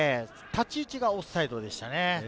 立ち位置がオフサイドでしたね。